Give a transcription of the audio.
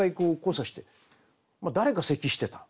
誰か咳してた。